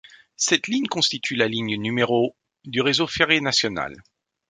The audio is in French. Cette ligne constitue la ligne n° du réseau ferré national.